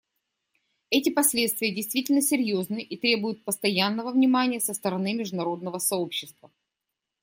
Эти последствия действительно серьезны и требуют постоянного внимания со стороны международного сообщества.